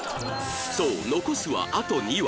そう残すはあと２話